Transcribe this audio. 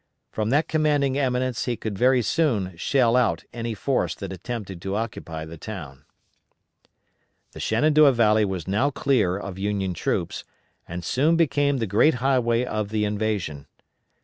From that commanding eminence he could very soon shell out any force that attempted to occupy the town. The Shenandoah valley was now clear of Union troops, and soon became the great highway of the invasion.